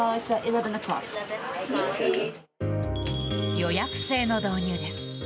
予約制の導入です。